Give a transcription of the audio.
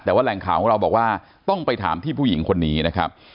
แต่ว่าแหล่งข่าวของเราบอกว่าต้องไปถามที่ผู้หญิงคนนี้นะครับ